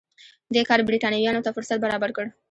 دې کار برېټانویانو ته فرصت برابر کړ.